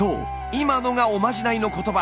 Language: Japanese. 今のがおまじないのことば。